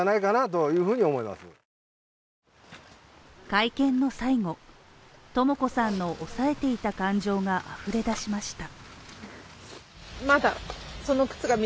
会見の際もとも子さんの抑えていた感情があふれ出しました。